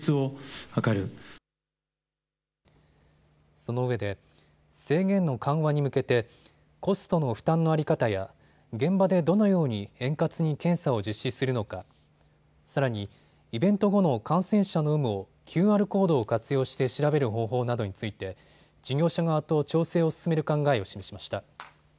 そのうえで制限の緩和に向けてコストの負担の在り方や現場でどのように円滑に検査を実施するのか、さらにイベント後の感染者の有無をＱＲコードを活用して調べる方法などについて事業者側と調整を進める考えを示しました。